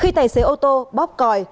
khi tài xế ô tô bóp còi